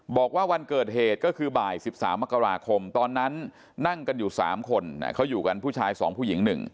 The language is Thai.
บอกว่าวันเกิดเหตุก็คือบ่าย๑๓มกราคมตอนนั้นนั่งกันอยู่๓คนเขาอยู่กันผู้ชาย๒ผู้หญิง๑